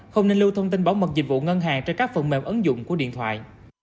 không nên lưu thông tin bảo mật dịch vụ ngân hàng trên các phần mềm ấn dụng của điện thoại